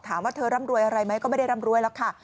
ถามว่าเธอร่ำรวยอะไรไหมก็ไม่ได้ร่ำรวยหรอกค่ะ